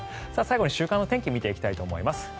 最後に週間の天気を見ていきたいと思います。